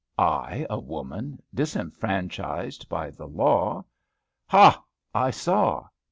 I, a woman, disfranchised by the law? Ha! I saw!